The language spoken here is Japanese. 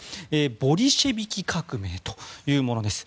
ボリシェビキ革命というものです。